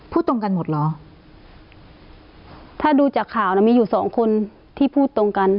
ตรงกันหมดเหรอถ้าดูจากข่าวน่ะมีอยู่สองคนที่พูดตรงกัน